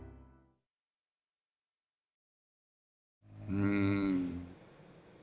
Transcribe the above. うん。